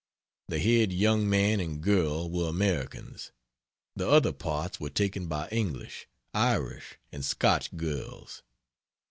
The head young man and girl were Americans, the other parts were taken by English, Irish and Scotch girls.